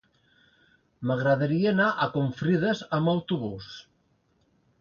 M'agradaria anar a Confrides amb autobús.